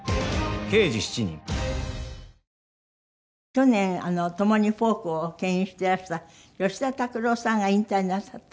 去年共にフォークを牽引していらした吉田拓郎さんが引退なさった。